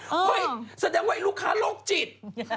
เฮ่ยแสดงไว้ลูกค้าโรคจิต